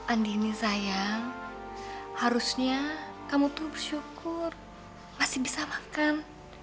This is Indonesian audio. andini sayang harusnya kamu turut bersyukur masih bisa makan